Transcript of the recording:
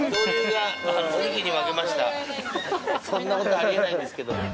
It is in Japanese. そんなことあり得ないんですけど。